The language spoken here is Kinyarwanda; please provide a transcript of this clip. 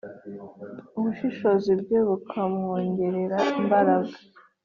ubushishozi bwe bukamwongerera imbaraga.